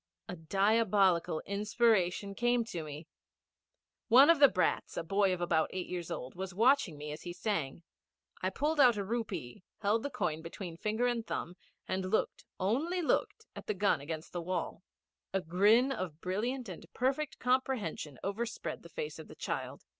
A diabolical inspiration came to me. One of the brats, a boy about eight years old, was watching me as he sang. I pulled out a rupee, held the coin between finger and thumb, and looked only looked at the gun against the wall. A grin of brilliant and perfect comprehension overspread the face of the child.